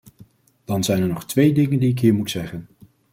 Dan zijn er nog twee dingen die ik hier moet zeggen.